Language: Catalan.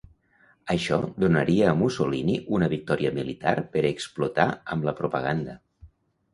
Això donaria a Mussolini una victòria militar per explotar amb la propaganda.